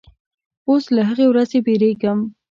اوس له هغې ورځې بیریږم